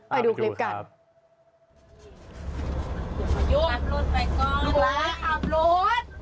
กลับมาขับรถเดี๋ยวนี้มาขับรถ